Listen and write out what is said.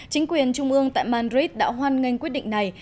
chính quyền trung ương tại madrid đã hoan nghênh quyết định này